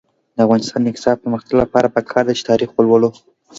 د افغانستان د اقتصادي پرمختګ لپاره پکار ده چې تاریخ ولولو.